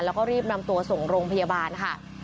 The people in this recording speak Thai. แล้วก็รีบนำตัวส่งโรงพยาบาลค่ะ